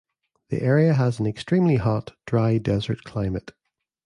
The area has an extremely hot, dry desert climate.